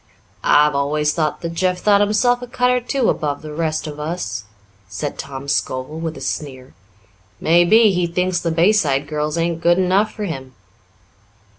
"I've always thought that Jeff thought himself a cut or two above the rest of us," said Tom Scovel with a sneer. "Maybe he thinks the Bayside girls ain't good enough for him."